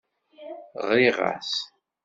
Ɣriɣ-as.